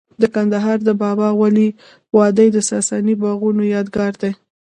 د کندهار د بابا ولی وادي د ساساني باغونو یادګار دی